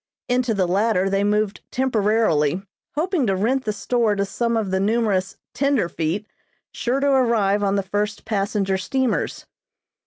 Into the latter they moved temporarily, hoping to rent the store to some of the numerous "tenderfeet" sure to arrive on the first passenger steamers.